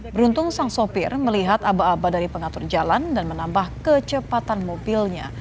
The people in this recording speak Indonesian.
beruntung sang sopir melihat aba aba dari pengatur jalan dan menambah kecepatan mobilnya